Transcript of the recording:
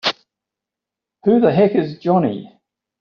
Who the heck is Johnny?!